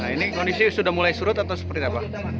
nah ini kondisi sudah mulai surut atau seperti apa